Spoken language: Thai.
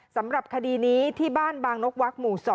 สำหรับคดีนี้ที่บ้านบางนกวักหมู่๒